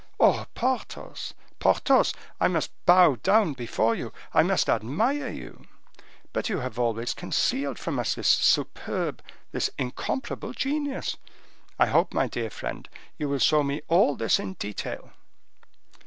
"Oh! Porthos, Porthos! I must bow down before you—I must admire you! But you have always concealed from us this superb, this incomparable genius. I hope, my dear friend, you will show me all this in detail."